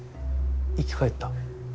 生き返った？